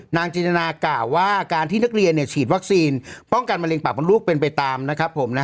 จินตนากล่าวว่าการที่นักเรียนฉีดวัคซีนป้องกันมะเร็ปากมดลูกเป็นไปตามนะครับผม